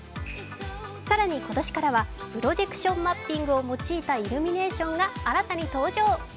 更に今年からはプロジェクションマッピングを用いたイルミネーションが新たに登場。